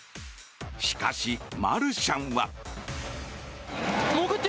しかし、マルシャンは。